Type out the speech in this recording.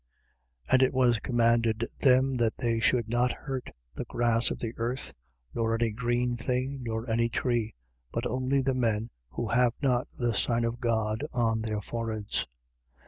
And it was commanded them that they should not hurt the grass of the earth nor any green thing nor any tree: but only the men who have not the sign of God on their foreheads.